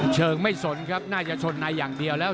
สมาธิหลุดในของคาเลได้ง่าย